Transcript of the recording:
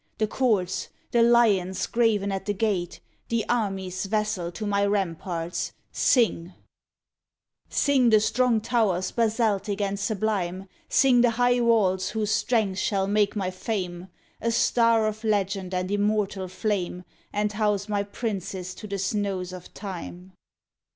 The courts, the lions graven at the gate, The armies vassal to my ramparts! Sing! THE RAMPARTS AND THE ROSE "Sing the strong towers basaltic and sublime! Sing the high walls whose strength shall make my fame A star of legend and immortal flame, And house my princes to the snows of Time!"